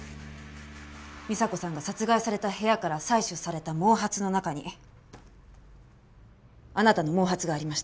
美沙子さんが殺害された部屋から採取された毛髪の中にあなたの毛髪がありました。